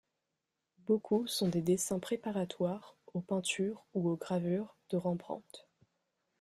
Beaucoup sont des dessins préparatoires aux peintures ou aux gravures de Rembrandt.